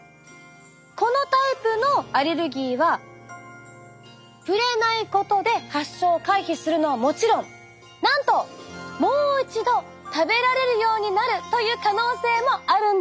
このタイプのアレルギーは触れないことで発症を回避するのはもちろんなんともう一度食べられるようになるという可能性もあるんです。